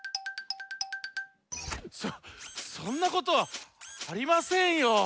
そそんなことはありませんよ。